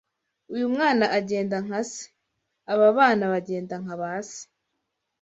Uyu mwana agenda nka seAba bana bagenda nka ba se.